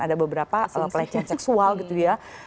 ada beberapa pelecehan seksual gitu ya